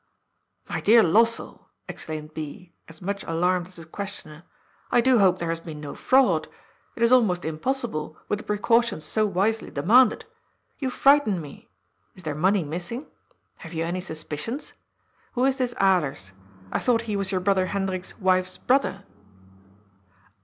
" My dear Lossell," exclaimed B., as much alarmed as his questioner, " I do hope there has been no fraud ! It is almost impossible, with the precautions so wisely de manded! You frighten me! Is there money missing? Have you any suspicions ? Who is this Alers ? I thought he was your brother Hendrik's wife's brother?